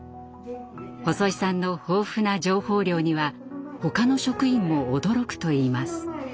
細井さんの豊富な情報量にはほかの職員も驚くといいます。